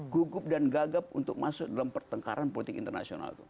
gugup dan gagap untuk masuk dalam pertengkaran politik internasional itu